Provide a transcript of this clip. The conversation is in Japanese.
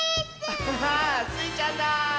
アハハー！スイちゃんだ！